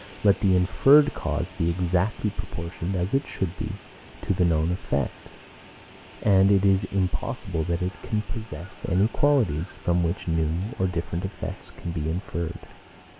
Let the inferred cause be exactly proportioned (as it should be) to the known effect; and it is impossible that it can possess any qualities, from which new or different effects can be inferred.